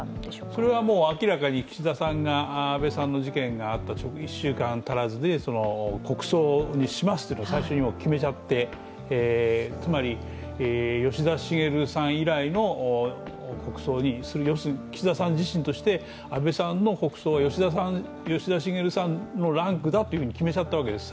それは明らかに岸田さんが安倍さんの事件があった１週間たらずで国葬にしますと最初に決めちゃって、つまり、吉田茂さん以来の国葬に要するに岸田さん自身として、安倍さんの国葬は吉田茂さんランクだと決めちゃったわけです。